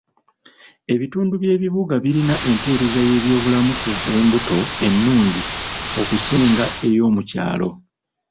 Ebitundu by'ebibuga birina empeereza y'ebyobulamu ku b'embuto ennungi okusinga ey'omukyalo.